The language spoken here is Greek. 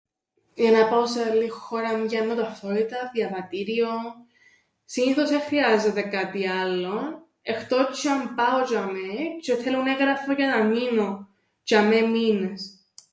Για να πάω σε άλλην χώραν πιάννω ταυτότηταν, διαβατήριον. Συνήθως εν χρειάζεται κάτι άλλον, εκτός αν πάω τζ̆ειαμαί τζ̆αι θέλουν έγγραφον για να μείνω τζ̆ειαμαί μήνες.